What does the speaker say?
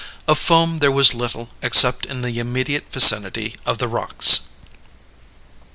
Of foam there was little except in the immediate vicinity of the rocks.